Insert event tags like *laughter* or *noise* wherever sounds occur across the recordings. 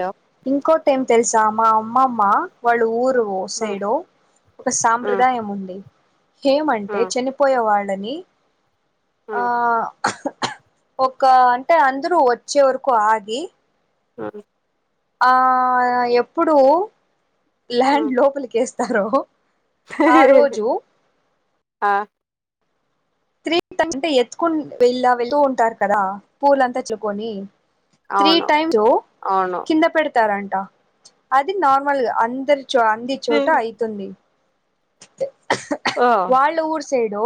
Hello ఇంకోటేం తెలుసా మా అమ్మమ్మా వాళ్ళు ఊరు ఓ సైడో ఒక ఆ సాంప్రదాయం ఉంది ఆ ఏమంటే చనిపోయే వాళ్ళ నీ ఆ ఒక అంటే అందరు వచ్చే వరకు ఆగి *inaudible* ఆ ఎప్పుడు ఆ ల్యాండ్ లోపలికి ఎస్తారో ఆ త్రింటే ఎత్తుకు వెళ వెళ్తూ ఉంటారు కదా పూలంతాలుకొని త్రీ అవును టైమ్స్ అవును కింద పెడతారంట అది నార్మల్గా అందరి చూఅంది చోట అవుతుంది ఓ వాళ్ళ ఊరు సైడు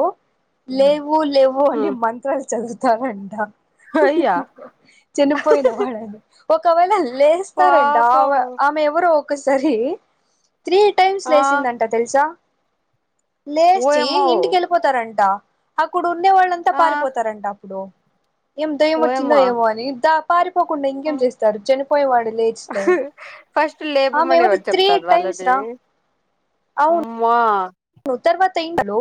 లేవు లేవు అనే మంత్రాలు చదువు *unintelligible* అయ్యా చనిపోయిన వాళ్ళని ఒకవేళ లేస్తారంట పాపం ఆమె ఆమె ఎవరు ఒకసారి త్రీ టైమ్స్ ఆ లేసిందంట తెలుసా లేచి ఓయమ్మో ఇంటికి వెళ్ళిపోతారంట అక్కడు ఉండే వాళ్ళంతా ఆ పారిపోతారంట అప్పుడు ఏం దయ్యం వచ్చిందా ఓయమ్మా ఏమో అని ద పారిపోకుండా ఇంకేం చేస్తాారు చనిపోయే వాడు లేచిస్తే ఫస్ట్ లేపమని ఎవరు చెప్తారు వాళ్ళవి రా ఉమ్మా ఒ తర్వాతఇంట్లో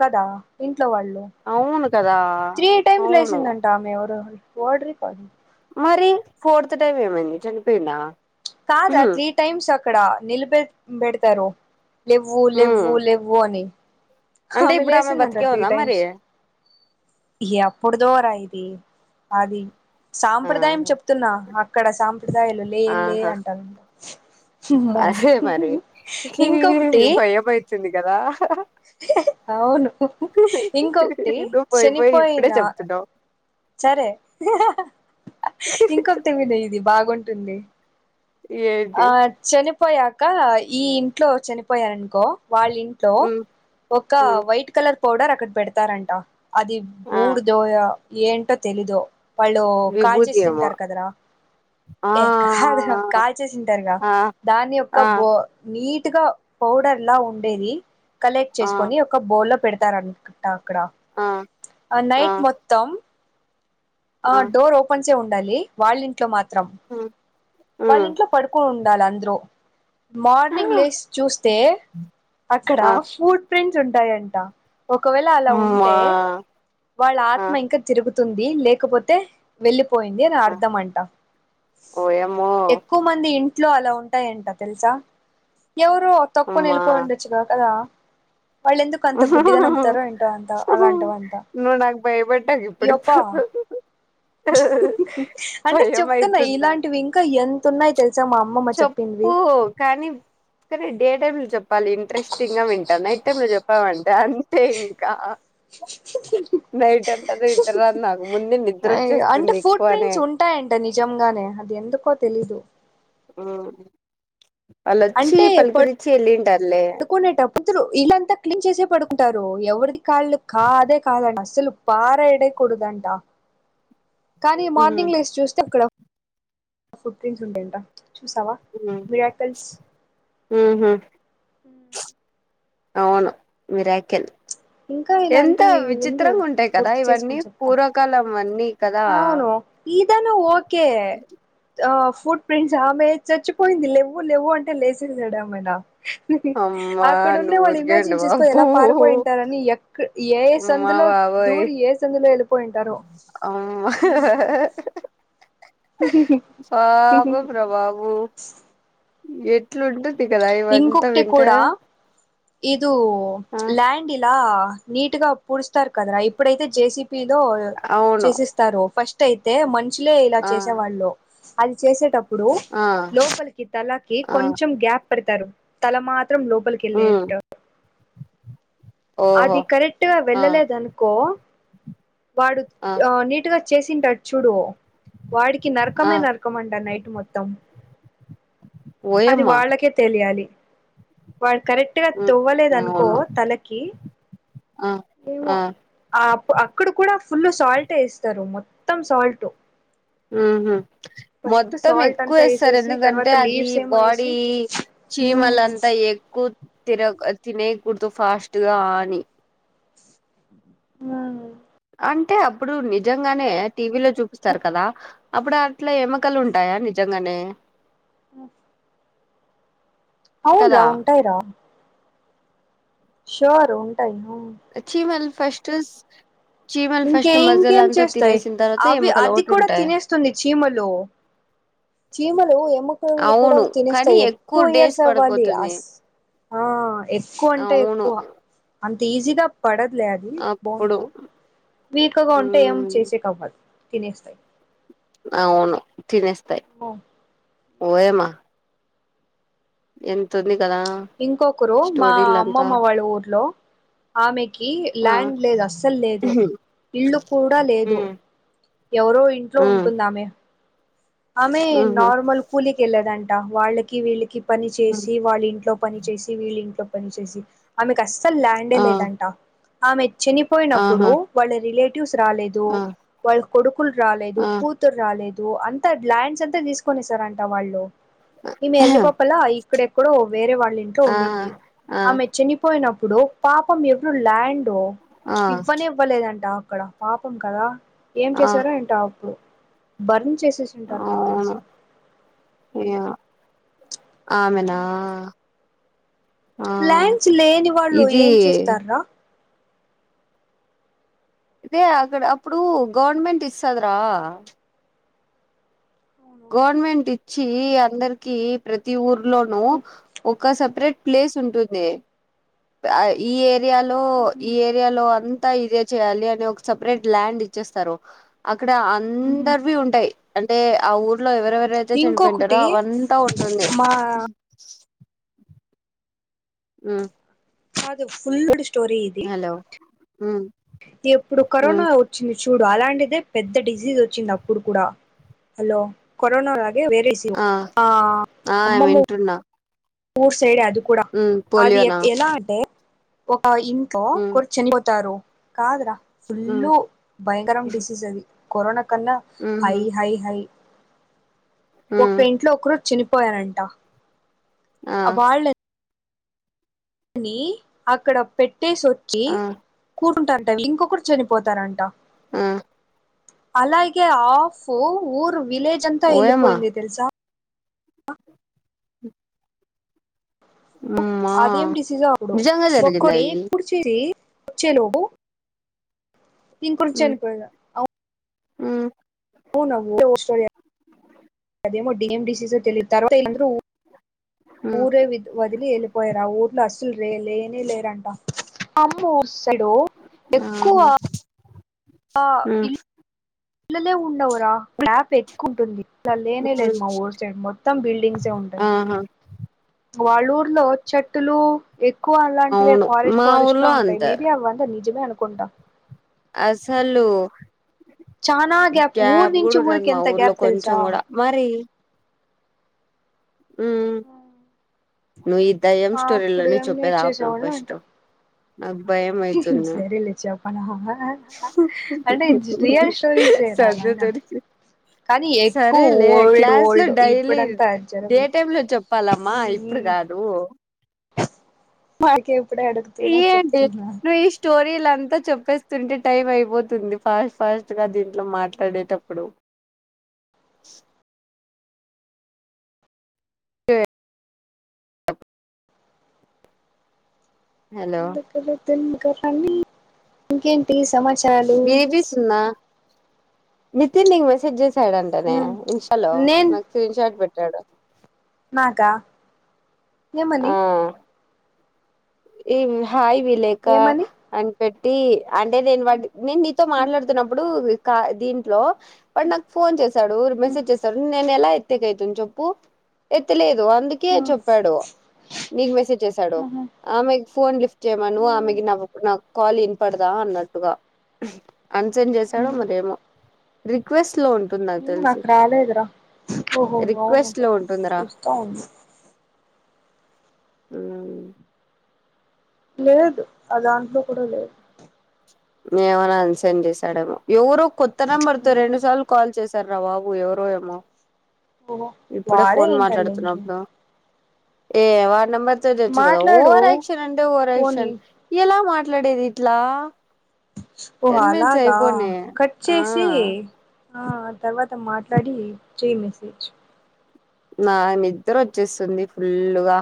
కదా ఇంట్లో వాళ్ళు అవును కదా త్రీ టైమ్స్ అవును లసిందంటా ఆమె ఎవరు మరి ఫోర్త్ టైమ్ ఏమైంది చనిపోయింద కాద త్రీ టైమ్స్ అక్కడ నిల్బెబెడతారు లేవ్వు ఉమ్ లెవ్వు లెవ్వని అంటే ఇప్పుడు ఆమె అమేలేసిందంట బతికే త్రీ ఉందా మరి టైమ్స్ ఎప్పుడు దోరా ఇది అది ఆ సాంప్రదాయం చెప్తున్నా అక్కడ సాంప్రదాయాలు లే లే ఆహా అంటారు అమ్మో అదే మరి ఇంకొకటి ఈ భయం అయితుంది కదా అవును ఇంకొకటి నువ్వు పోయి పోయి ఇప్పుడే చనిపోయిన చెప్తున్నావు సరే ఇంకొకటి విద ఇది బాగుంటుంది ఏంటి ఆ చనిపోయాక ఈ ఇంట్లో చనిపోయారనుకో వాళ్ళ ఇంట్లో ఉమ్ ఒక ఉమ్ వైట్ కలర్ పౌడర్ అక్కడ పెడతారంట అది ఆ బూడ్దోయ ఏంటో తెలీదో వాళ్ళు విభూతి కాచిస్ ఏమో తింటారు కదరా ఆ ఏ కాద కాచ చ్చసింటారుగా ఆ దాని యొక్క ఆ బో నీట్గా పౌడర్లా ఉండేది కలెక్ట్ ఆ చేసుకొని ఒక బో లో పెడతారు అక్కడ ఆ ఆ నైట్ మొత్తం ఆ డోర్ ఓపెన్ చే ఉండాలి వాళ్ళ ఇంట్లో మాత్రం ఉమ్ ఉమ్ వాళ్ళింట్లో పడుకుని ఉండాల అందరూ మార్నింగ్ లేస్ చూస్తే అక్కడ ఆ ఫూడ్ ప్రింట్స్ ఉంటాయంట ఒకవేళ అలా మా ఉంటే వాళ్ళ ఆ ఆత్మ ఇంకా తిరుగు తుంది లేకపోతే వెళ్లి పోయింది అని ఆ అర్థం అంట ఓయమ్మో ఎక్కువ మంది ఇన్ ట్లో అలా ఉంటాయంట తెలుసా ఎవరు తక్కువని అమ్మా వెళ్ళిపోయి ఉండొచ్చుగా కదా వాళ్ళెందుకు అంత గుడ్డిగా నమ్పుతారో ఏంటవ అంత అలాంటివ అంత ఇప్పుడుప్పు *unintelligible* అంటే భయం చెప్తున్నా అయితుంది నాకు ఇలాంటివి ఇంకా ఎంత ఉన్నాయి తెలుసా మా అమ్మమ్మ చెప్పు చెప్పిందివి కానీ కనీ డే టైమ్లో చెప్పాలి ఇంట్రెస్టింగ్ గా వింటా నైట్ అంటే మీరు చెప్పామంటే అంటే ఇంకా నైట్ అంత నిద్దర రాదు నాకు ముందే నిద్ర అంటే వచ్చేస్తుంది ఫూట్ ఎక్కువనే ప్రింట్స్ ఉంటాయంట నిజంగానే అది ఎందుకో తెలీదు వాళ్ళోచ్చి అంటే పలుకరిచ్చి వెళ్ళిండట పడుకునేటప్పుడు ఇళ్ళంతా క్లీన్ చేసే పడుకుంటారు ఎవరిది కాళ్ళు కాదే కాదనిస్త అసలు పాార ఎడ కొడుదాంటా కానీ ఉహు మార్నింగ్ లేసి చూస్తే అక్కడ ఫుట్ ప్రింట్స్ ఉంటాయంట చూసావా మిరాకల్స్ మ్ హు అవును మిరాకల్ ఇంకా ఎంత ఇలాంటివి ఉండు విచిత్రంగా ఉంటాయి కదా గుర్తు ఇవన్నీ చేసుకొని చెప్తా పూర్వకాలం అన్నీ కదా అవును ఈదను ఓకే ఆ ఫుట్ ప్రింట్స్ ఆమె చచ్చిపోయింది లెవ్వు లెవ్వు అంటే లేసేయడమెనా మ్ హు అమ్మా అక్కడ ఉన్న నువ్వు వాళ్ళు ఊరికే ఉండు ఇమాజిన్ చేసుకో బాబు ఎలా పారిపోయింటారని ఎక ఏఏ అమ్మ సందులో లో బాబోయ్ దూరి ఏ సందు లో వెళ్ళిపోయుంటారో వహా హా పాపం రా బాబు ఎట్లు ఉంటుంది కదా ఇవంతా ఇంకొకటి వింటే కూడా ఇదు ఆ ల్యాండ్ ఇలా నీట్ గా పూడుస్తారు కదరా ఇప్పుడైతే జేసిబి బితో అవును చేసిస్తారు ఫస్ట్ అయితే మనుషులే ఇలా ఆ చేసేవాళ్ళు అది చేసేటప్పుడు ఆ లోపలికి తలకి ఆ కొ గ్యాప్ పెడతారు తల మాత్రం లోపలికి ఉమ్ వెళ్ళేటట్లు ఓహో అది కరెక్ట్గా ఆ వెళ్ళలేదనుకో వాడు ఆ నీటుగా చేసింటాడు చూడు వాడికి ఆ నరకమే నరకం అంట నైట్ మొత్తం అది ఓయమ్మ వాళ్ళకే తెలియాలి వాడు కరెక్ట్ గా ఉమ్ తొవ్వలేదనుకో అవును తలకి ఆ ఏమో ఆ ఆ అక్కడ కూడా ఫుల్ సాల్ట్ వేస్తారు మొత్తం సాల్టు ఉహు మొత్తం సాల్ట్ ఎక్కువ అంతా వేస్తారు వేసేసి ఎందుకంటే తర్వాత అది లీవ్స్ ఏమో బాడీ వేసి చీమలంతా ఎక్కువ తిర తినేకూడదు ఫాస్ట్గా అని ఉ అంటే అప్పుడు నిజంగానే టీవీ లో చూపిస్తారు కదా అప్పుడు అట్లా ఎమకలు ఉంటాయా నిజంగానే *inaudible* అవునురా కదా ఉంటయి రా ష్యూర్ ఉంటాయి ఫస్ట్స్ ఇంకే ఇంకేం చేస్తాయి తర్వాత అవి ఎముకలు అది ఒకటి కూడా ఉంటాయి తినేస్తుంది చీమలు చీమలు ఎమకలును కూడా అవును కానీ తినేస్తాయి ఎక్కువ డేస్ ఇయర్స్ అవ్వాలి పడిపోతుంది అస్ ఆ ఎక్కువ అంటే అవును ఎక్కువ అంత ఈజీగా పడదులే అది అప్పుడు బోన్స్ వీక్గా ఉంటే ఏం ఉమ్ చేసేక అవ్వదు తినేస్తయి అవును తినస్తాయి ఓయేమా ఎంతంది ఇంకొకరు మా అమ్మమ్మ వాళ్ళ ఊర్లో ఆమెకి ఆ ల్యాండ్ లేదు అస్సలు లేదు ఉహు, ఇళ్లు కూడా లేదు ఉమ్ ఎవరో ఇంట్లో ఉమ్ ఉంటుందామె ఆమెే ఉహు నార్మల్ కూలీకిళ్ళధన్టా వాళ్ళ కి వీళ్ళకి పని ఉమ్, చేసి వాళ్ళ ఇంట్లో పని చేసి వీళ్ళ ఇంట్లో పని చేసి ఆమె క అసలు ల్యాండ్ ఎ ఆ లేదంట ఆమె చనిపోయినప్పుడు ఆహా వాళ్ళ రిలేటి్ రాలేదు ఆ వాళ్ళ కొడుకులు రాలేదు ఆ కూతురు రాలేదు అంత ల్యాండ్స్ అంతా తీసుకొనిస్తారంట వాళ్ళు ఈమె ఎర్రిపప్పల ఇక్కడెక్కడో వేరే వాళ్ళ ఇంట్లో ఆహా ఉండింది ఆ ఆమే చనిపోయినప్ ప్పుడు పాపం ఎవరు ల్యాండ్ ఆ ఇవ్వని ఇవ్వలేదంట అక్కడ పాపం కదా ఏం ఆ చేశారో ఏంటప్పుడు బర్న్ చేసి టారు నా అవును తెలిసి యా ఆమెనా ఆ ల్యాండ్స్ లేని వాళ్ళు ఏం ఇది చేస్తార్రా దే అక్కడ అప్పుడు గవర్నమెంట్ ఇస్తుధి రా గవర్నమెంట్ ఇచ్చి అందరికి ప్రతి ఊర్లోనూ ఒక సపరేట్ ప్లేస్ ఉంటుంది ఈ ఏరియాలో ఈ ఏరియాలో ఆన్ తా ఇదే చేయాలి అని ఒక సపరేట్ ల్యాండ్ ఇచ్చేస్తారు అక్కడ అందరువి ఉంటాయి అంటే ఆ ఊర్లో ఎవరెవరైతే చనిపోయింటారో ఇంకొకటి అవంతా ఉంటుంది మా ఉ కదు ఫుల్డి స్టోరి ఇది ఉమ్ ఎప్పుడు ఉమ్ కరోనా వచ్చింది చూడు అలాంటిదే పెద్ద డిసీజ్ వచ్చింది అప్పుడు కూడా హలో కరోనా లా ఆ ఆ అమ్మమ్మ వింటున్నా ఊర్ సైడే అది కూడా ఉమ్ అది పోలియోనా ఎలా అంటే ఆ ఇంకా ఉమ్ కొర్చ చెనిపోతారు కాద్ర ఫుల్ ఉమ్ భయంకరం డిసీస్ అది కరోనా కన్నా హై ఉహు హై హై ఒక్క ఉమ్ ఇంట్లో ఒకరు చనిపోయారంట ఆ వాళ్ ని అక్కడ పెట్టేసోచ్చి ఆ కూర్ టంరూ ఇంకొకరు చనిపోతారంట ఉమ్ అలాగే ఆఫ్ ఊర్ విలేజ్ అంతా ఓయమ్మా వెళ్ళిపోయింది తెలుసా మా అదేం డిసీజ్ అవడు నిజంగా ఒక్క జరిగిందా ఇది ఎప్పుడు చేసి వచ్చే లోపూ ఇంకోరు అనిపోయద అవు ఆ స్టోరీ అదేమో డిఎండిసస్ ఓ తెలిద్ తర్వాతళ్రూ ఊరే వదిలి వెళ్ళిపోయారు ఆ ఊరు అసలు రే లేనే లేరంట అమ్మసడు ఎక్కువ ఉమ్ ఇళ్లే ఉండవరా మ్యాప్ ఎక్కువ ఉంటుంది ఇలా లేనే లేదు మా ఊర్ సైడ్ మొత్తం బిల్డింగ్సే ఉంటది ఆహా వాళ్ళూర్లో చెట్టులు ఎక్కువ అలాంటివి అవును ఫారెస్ట్ మా ఫారెస్ట్ లో ఊర్లో ఉంటాయి అంతే మేబీ అవందా నిజమే అనుకుంటాం అసలు చానా ఊరు గ్యాప్ నుంచి కుడుండదు ఊరికి మా ఎంత ఊర్లో గ్యాప్ కొంచెం తెలుసా కూడా మరి ఉమ్ నువ్వు ఈ దయ్యం అప్పుడు స్టోరీలోనే ఏం చెప్పేది ఆప్ నా్ నేర్చేసేవాళ్ళు అంట ఫస్ట్ నాక్ బయ్యం మైతున్నా సరేలే చెప్పనా అంటే ఇది రియల్ స్టోరీసే రా సదు నాయనా త కానీ ఎక్కువ సరేలే ఓల్డ్ క్లాస్ లో ఓల్డ్ డైలీ ఇప్పుడంతా అది డే జరగవు టైమ్ లో చెప్పాలమ్మా ఇప్పుడు మ్మ్ కాదు మాకే ఇప్పుడే అడుగుతున్నారు ఏంటి చెప్తున్నా నీవి స్టో రిలంత చెప్పేస్తుంటే టైం అయిపోతుంది ఫాస్ట్ ఫాస్ట్ గా దీంట్లో మాట్లాడేటప్పుడు. టే హలో తెన్ కా పని ఇంకేంటి సమాచారాలు వినిపిస్తుందా నితిన్ నీకు మెసేజ్ చేశాడంటనే మ్మ్ ఇంస్టా లో నేన్ నాకు స్క్రీన్ షాట్ పెట్టాడు. నాకా ఎమని! ఆ ఈ హాయ్ విలేక ఏమని అని పెట్టి అంటే దీని బట్టి నేను నీతో మాట్లాడుతున్నప్పుడు కా దీంట్లో వాడు నాకు ఫోన్ చేశాడు, మెసేజ్ చేశాడు, నేను ఎలా ఎత్తేకి అయితుంది చెప్పు. ఎత్తలేద్ దు అందుకే చెప్పాడు. నీకు మెసేజ్ చేశాడు. ఆమెకి ఫోన్ లిఫ్ట్ చేయమను ఆమెకి నాకు నాక్ కాల్ ఇన్పడదా అన్నట్టుగా అన్ సెండ్ చేశాడో మరేమో రిక్వెస్ మ్ నాకు రాలేదురా ఓహో అవును రిక్వెస్ట్ లో కదా చూస్తా ఉండు మ్మ్ లేదు ఆ దాంట్లో కూడా లేదు ఏమో అన్ సెండ్ చేశాడేమో ఎవరో కొత్త నెంబర్ తో రెండు సార్లు కాల్ చేస్ శార్రా బాబు ఎవరో ఏమో ఓహో ఇప్పుడే వాడే ఫోన్ ఏంటళ్ళ ఇంకి మాట్లాడుతున్నప్పుడు. ఏ వాడి నంబర్ తో చేయొచ్చు కదా మాట్లాడు ఓవర్ యాక్షన్ అంటే ఓవర్ యాక్షన్ పోనీ ఎలా మా ట్లాడేది ఇట్లా ఓ టెన్ మినిట్స్ అలాగా అయిపోనే కట్ ఆ చేసి ఆ తర్వాత మాట్లాడి చేయి మెసేజ్ నా నిద్దరవచ్చేస్తుంది ఫుల్ గా.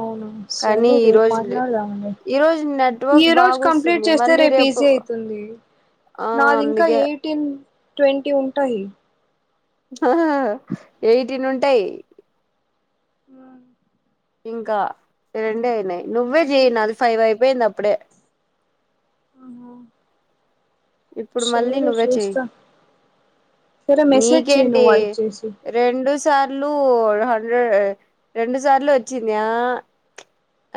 అవునా సరే రేపు మాట్లాడదం లే. ఈ రోజు నెట్వర్క్ ఈ రోజు కంప్లీట్ బాగొస్తుంది చేస్తే మళ్ళీ రేపు ఈజీ అవుతుంది ఆ నాది ఇంకా అందుకే ఎయిట్టీన్ ట్వంటీ ఉంటాయి. ఆ ఎయిటీన్ ఉంటాయి. మ్ ఇంకా రెండే అయినయి నువ్వే చెయి అది ఫైవ్ అయిపోయింది అప్పుడే. ఆఁహా ఇప్పుడు మళ్ళీ నువ్వే చెయి సరే మెసేజ్ చెయ్ నీకేంటి నువ్వు వాడికి చేసి రెండూ సార్లు హండ్రెడ్ రెండు సార్లు వచ్చింది హా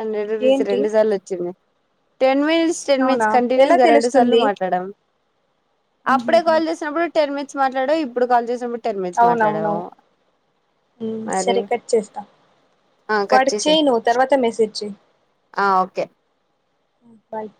హండ్రెడ్ రూపీస్ ఏంటి రెండు సార్లు వచ్చింది. టెన్ మినిట్స్ టెన్ అవునా మినిట్స్ ఎలా కంటిన్యూస్గా రెండు సార్లు తెలుస్తుంది మాట్లాడమ్ అప్పుడే ఉహుహు కాల్ చేసినప్పుడు టెన్ మినిట్స్ మాట్లాడావు. ఇప్పుడు కాల్ చేసినప్పుడు టెన్ మినిట్స్ మాట్లాడావు. మ్ఁ మరి సరే కట్ చేస్తా ఆ కట్ వాడికి చేయ్ నువ్వు చేసేయ్ తర్వాత మెసేజ్ చెయ్ ఆ ఓకే మ్ బాయ్